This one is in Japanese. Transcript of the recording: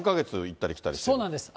そうなんです。